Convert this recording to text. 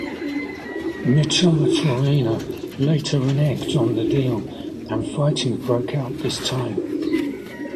Micheltorena later reneged on the deal and fighting broke out this time.